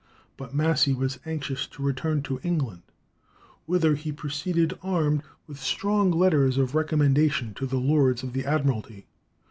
But Massey was anxious to return to England, whither he proceeded armed with strong letters of recommendation to the lords of the Admiralty.